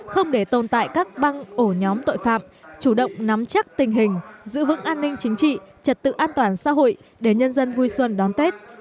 không để tồn tại các băng ổ nhóm tội phạm chủ động nắm chắc tình hình giữ vững an ninh chính trị trật tự an toàn xã hội để nhân dân vui xuân đón tết